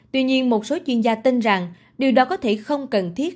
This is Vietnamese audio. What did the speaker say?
tuy nhiên một số chuyên gia tin rằng điều đó có thể không cần thiết